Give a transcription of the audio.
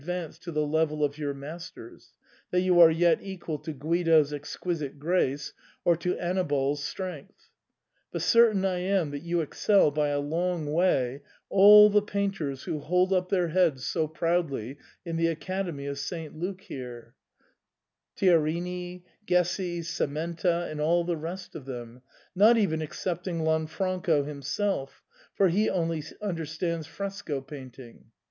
8i vanced to the level of your masters, that you are yet equal to Guido's exquisite grace or to Annibal's strength ; but certain I flm that you excel by a long way all the painters who hold up their heads so proudly in the Academy of St Luke* here — Tiarini,' Gessi,* Sementa,* and all the rest of them, not even excepting Lanfranco' himself, for he only understands fresco painting.